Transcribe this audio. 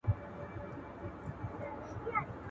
استاد ته باید د لارښووني لپاره مناسب شرایط برابر سي.